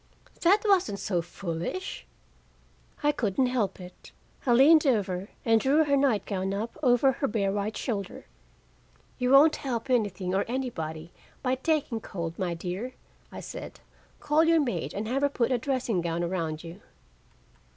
"That wasn't so foolish!" I couldn't help it; I leaned over and drew her nightgown up over her bare white shoulder. "You won't help anything or anybody by taking cold, my dear," I said. "Call your maid and have her put a dressing gown around you."